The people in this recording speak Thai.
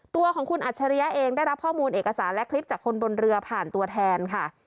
ตัวของคุณอัจฉริยะเองได้รับข้อมูลเอกสารและคลิปจากคนบนเรือผ่านตัวแทนค่ะ